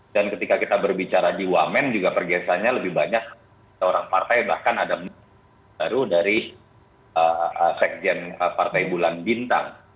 dan ketika kita berbicara di wamen juga pergesanya lebih banyak orang partai bahkan ada dari sekjen partai bulan bintang